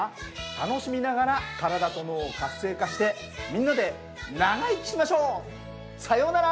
楽しみながら体と脳を活性化してみんなで長生きしましょう！さようなら。